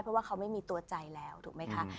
เพราะว่าเขาไม่มีตัวใจแล้วถูกไหมคะ